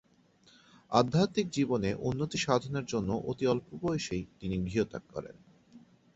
আধ্যাত্মিক জীবনের উন্নতি সাধনের জন্য অতি অল্প বয়সেই তিনি গৃহত্যাগ করেন।